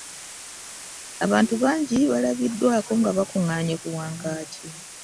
Abantu bangi abawerako baalabiddwako nga bakungaanye ku Wankaaki